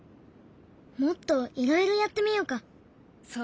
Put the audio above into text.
もっといろいろやってみようか。